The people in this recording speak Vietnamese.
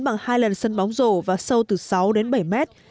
bằng hai lần sân bóng rổ và sâu từ sáu đến bảy mét